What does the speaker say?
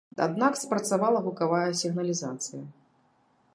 Аднак спрацавала гукавая сігналізацыя.